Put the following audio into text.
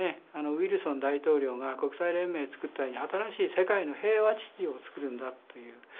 ウィルソン大統領が国際連盟作ったように新しい世界の平和秩序を作るんだという。